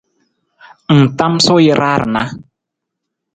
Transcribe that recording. Ng tamasuu jara rana.